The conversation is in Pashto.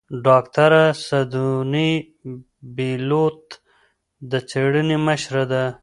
ډاکتره سیدوني بېلوت د څېړنې مشره ده.